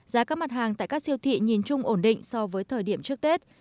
giá các mặt hàng tại các siêu thị nhìn chung ổn định so với thời điểm trước tết